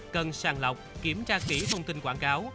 cần sàng lọc kiểm tra kỹ thông tin quảng cáo